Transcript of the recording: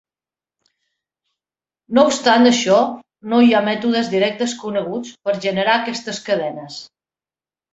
No obstant això, no hi ha mètodes directes coneguts per generar aquestes cadenes.